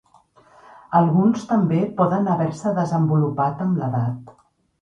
Alguns també poden haver-se desenvolupat amb l'edat.